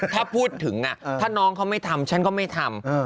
ถ้าพูดถึงถ้าน้องเขาไม่ทำฉันก็ไม่ทำ